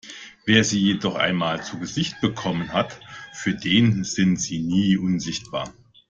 Wer sie jedoch einmal zu Gesicht bekommen hat, für den sind sie nie unsichtbar.